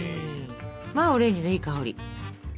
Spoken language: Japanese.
まあオレンジのいい香り。